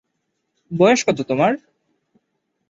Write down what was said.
বয়স কত তোমার?